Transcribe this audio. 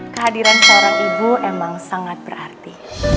kehadiran seorang ibu memang sangat berarti